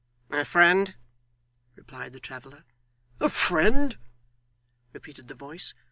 'A friend!' replied the traveller. 'A friend!' repeated the voice.